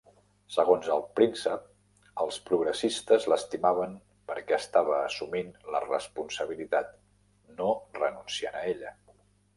Segons el príncep, "els progressistes l'estimaven perquè estava assumint la responsabilitat, no renunciant a ella".